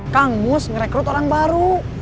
kang mus ngerekrut orang baru